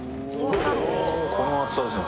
この厚さですよ